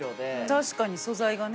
確かに素材がね。